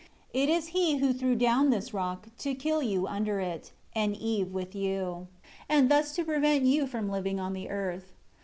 It is he who threw down this rock to kill you under it, and Eve with you, and thus to prevent you from living on the earth.